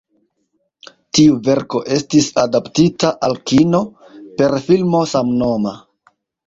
Tiu verko estis adaptita al kino, per filmo samnoma.